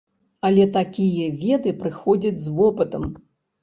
Але такія веды прыходзяць з вопытам.